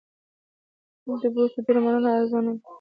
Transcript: د بوټو درملنه ارزانه ده؟